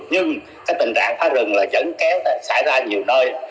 nhưng cái tình trạng phá rừng là vẫn xảy ra nhiều nơi